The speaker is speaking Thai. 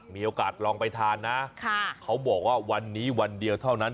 มีโอกาสลองไปทานนะเขาบอกว่าวันนี้วันเดียวเท่านั้น